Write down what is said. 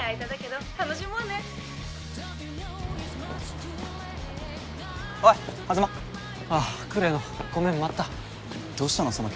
どうしたの？